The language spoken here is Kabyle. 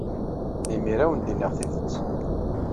Imir-a ad awen-d-iniɣ tidet.